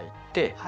はい。